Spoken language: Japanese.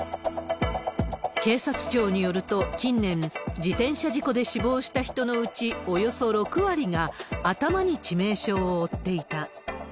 警察庁によると、近年、自転車事故で死亡した人のうち、およそ６割が頭に致命傷を負っていた。